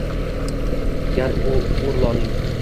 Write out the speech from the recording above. Gar o’rloning